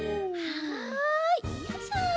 はいよいしょ。